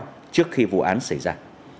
trước khi vụ án xảy ra